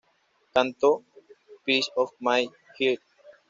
Cantó "Piece of My Heart.